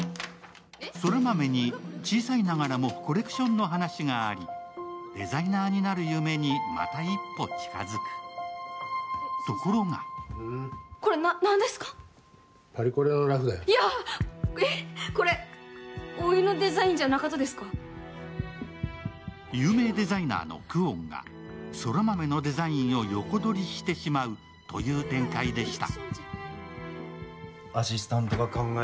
空豆に小さいながらもコレクションの話があり、デザイナーになる夢にまた一歩近づく、ところが有名デザイナーの久遠が空豆のデザインを横取りしてしまうという展開でした。